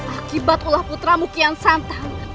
akibat ulah putramu kian santang